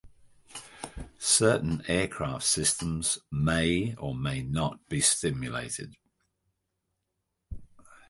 Certain aircraft systems may or may not be simulated.